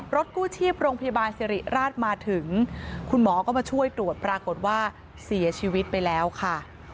กู้ชีพโรงพยาบาลสิริราชมาถึงคุณหมอก็มาช่วยตรวจปรากฏว่าเสียชีวิตไปแล้วค่ะ